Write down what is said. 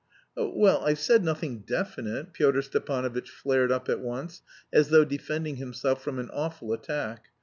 "Oh, well, I've said nothing definite," Pyotr Stepanovitch flared up at once, as though defending himself from an awful attack.